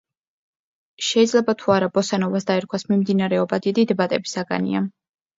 შეიძლება თუ არა ბოსა-ნოვას დაერქვას მიმდინარეობა დიდი დებატების საგანია.